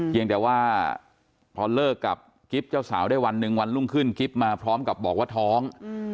ยังแต่ว่าพอเลิกกับกิ๊บเจ้าสาวได้วันหนึ่งวันรุ่งขึ้นกิ๊บมาพร้อมกับบอกว่าท้อง